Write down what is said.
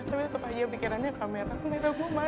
tapi tetap aja pikirannya kamera